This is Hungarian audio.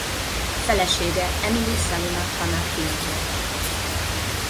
Felesége Emily Salina Hannah Hill volt.